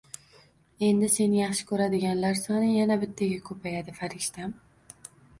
Endi seni yaxshi ko`radiganlar soni yana bittaga ko`paydi, farishtam